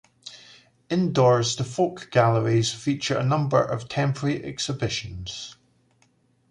Indoors, the Folk Galleries feature a number of temporary exhibitions.